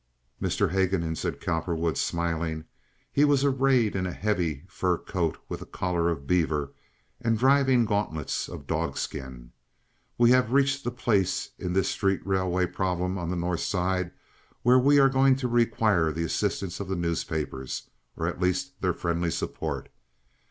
"Mr. Haguenin," said Cowperwood, smilingly—he was arrayed in a heavy fur coat, with a collar of beaver and driving gauntlets of dogskin—"we have reached the place in this street railway problem on the North Side where we are going to require the assistance of the newspapers, or at least their friendly support.